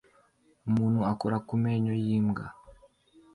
Umuntu akora ku menyo yimbwa